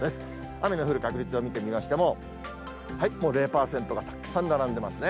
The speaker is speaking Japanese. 雨の降る確率を見てみましても、もう０％がたくさん並んでますね。